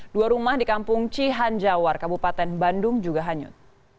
dua rumah di kampung cihanjawar kabupaten bandung juga hanyut